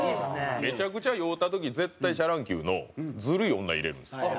めちゃくちゃ酔うた時絶対シャ乱Ｑの『ズルい女』入れるんですよ。